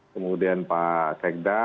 kemudian pak sekda